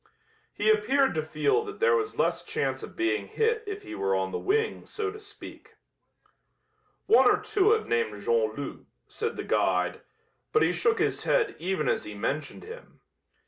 He appeared to feel that there was less chance of being hit if he were on the wing, so to speak. "One or two have named Jean Loups," said the guide, but he shook his head even as he mentioned him.